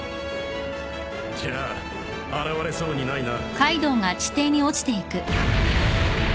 じゃあ現れそうにないな